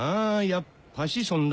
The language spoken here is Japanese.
やっぱしそんだ！